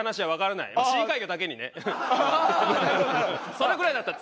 それぐらいだったら。